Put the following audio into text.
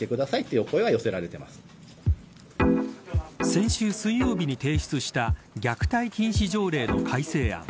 先週水曜日に提出した虐待禁止条例の改正案。